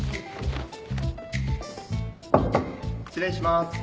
失礼します。